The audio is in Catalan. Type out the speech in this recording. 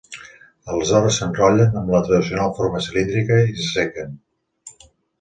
Aleshores s'enrotllen, amb la tradicional forma cilíndrica, i s'assequen.